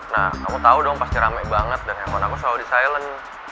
nah kamu tau dong pasti rame banget dan handphone aku selalu di silent